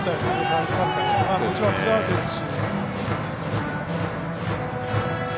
もちろんツーアウトですし。